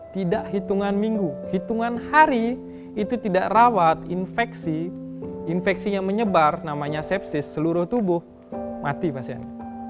tidak hitungan minggu hitungan hari itu tidak rawat infeksi infeksinya menyebar namanya sepsis seluruh tubuh mati pasien